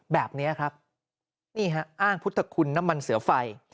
แบบนี้ครับนี่ฮะอ้างพุทธคุณน้ำมันเสือไฟ